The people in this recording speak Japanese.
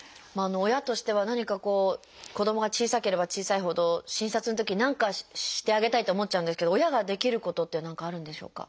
親としては何かこう子どもが小さければ小さいほど診察のとき何かしてあげたいと思っちゃうんですけど親ができることって何かあるんでしょうか？